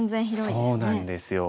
そうなんですよ。